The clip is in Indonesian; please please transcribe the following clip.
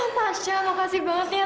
tasya makasih banget ya